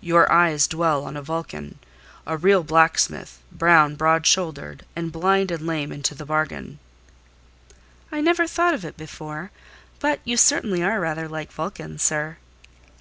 Your eyes dwell on a Vulcan,—a real blacksmith, brown, broad shouldered: and blind and lame into the bargain." "I never thought of it, before; but you certainly are rather like Vulcan, sir."